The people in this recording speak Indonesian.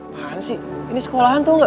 mana sih ini sekolahan tau gak